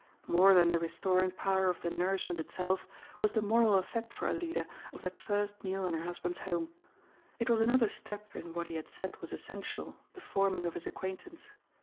More than the restoring power of the nourishment itself was the moral effect for Alida of that first meal in her husband's home. It was another step in what he had said was essential the forming of his acquaintance.